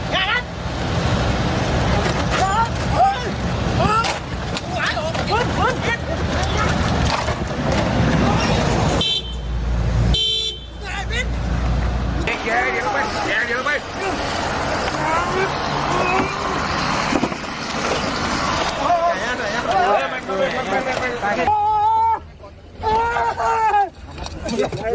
กรัมมาแล้ว